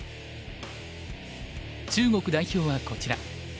中国代表はこちら。